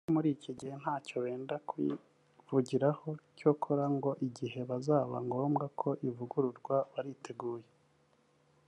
Bavuga ko muri iki gihe ntacyo benda kuyivururaho cyokora ngo igihe bizaba ngombwa ko ivururwa bariteguye